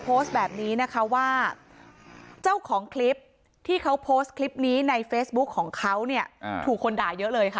โพสต์แบบนี้นะคะว่าเจ้าของคลิปที่เขาโพสต์คลิปนี้ในเฟซบุ๊คของเขาเนี่ยถูกคนด่าเยอะเลยค่ะ